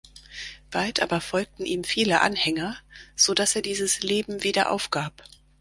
Bald aber folgten ihm viele Anhänger, sodass er dieses Leben wieder aufgab.